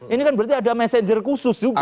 ini kan berarti ada messenger khusus juga